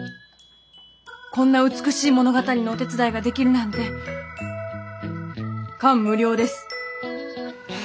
こんな美しい物語のお手伝いができるなんて感無量です。